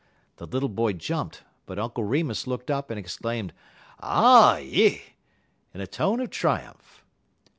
The little boy jumped, but Uncle Remus looked up and exclaimed, "Ah yi!" in a tone of triumph.